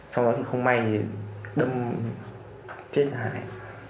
xong rồi không may thì đâm chết hại